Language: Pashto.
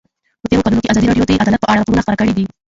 په تېرو کلونو کې ازادي راډیو د عدالت په اړه راپورونه خپاره کړي دي.